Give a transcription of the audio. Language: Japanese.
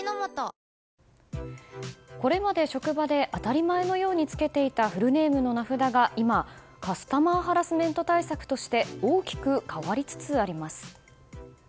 これまで職場で当たり前のように付けていたフルネームの名札が今、カスタマーハラスメント対策として大きく変わりつつあります。